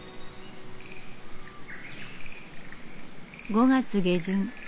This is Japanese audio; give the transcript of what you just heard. ５月下旬。